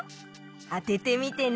あててみてね。